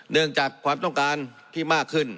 เนื่องจากความต้องการที่มากขึ้น